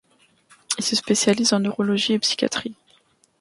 Il se spécialise en neurologie et psychiatrie.